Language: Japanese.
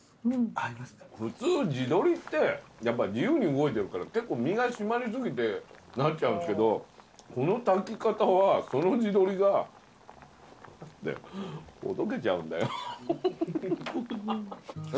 普通地鶏ってやっぱ自由に動いてるから結構身が締まり過ぎてなっちゃうんですけどこの炊き方はその地鶏がほどけちゃうんだよ。